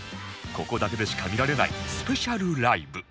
ここだけでしか見られないスペシャルライブ